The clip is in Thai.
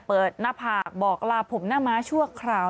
หน้าผากบอกลาผมหน้าม้าชั่วคราว